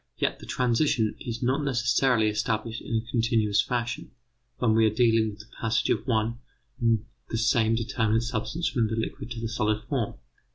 Yet the transition is not necessarily established in a continuous fashion when we are dealing with the passage of one and the same determinate substance from the liquid to the solid form.